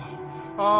ああ！